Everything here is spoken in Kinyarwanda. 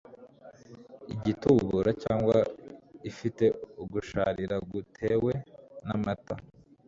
igitubura cyangwa ifite ugusharira gutewe n’amata